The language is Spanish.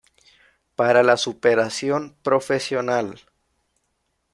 Para la superación profesional.